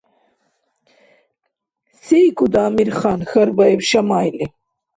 — СейкӀуда, Амирхан? – хьарбаиб Шамайли.